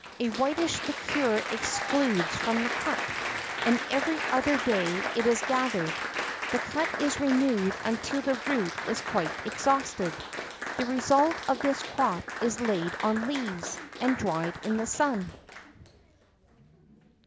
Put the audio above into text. A whitish liquor exudes from the cut, and every other day it is gathered; the cut is renewed until the root is quite exhausted. The result of this crop is laid on leaves, and dried in the sun."